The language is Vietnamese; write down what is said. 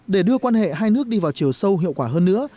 để đưa quan hệ hai nước đi vào chiều sâu hiệu quả hơn nữa